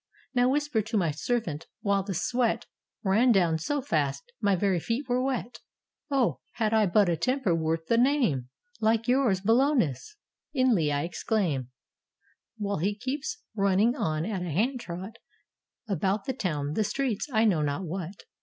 Now whisper to my servant, while the sweat Ran down so fast, my very feet were wet. "O had I but a temper worth the name, Like yours, Bolanus!" inly I exclaim, While he keeps running on at a hand trot, About the town, the streets, I know not what.